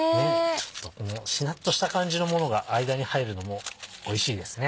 ちょっとこのしなっとした感じのものが間に入るのもおいしいですね。